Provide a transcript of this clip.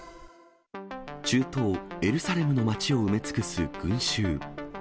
中東エルサレムの街を埋め尽くす群衆。